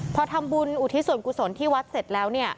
พอทำบุญอุทิศส่วนกุศลที่วัดเสร็จแล้วเนี่ย